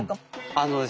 あのですね